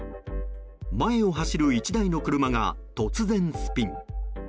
前を走る１台の車が突然スピン。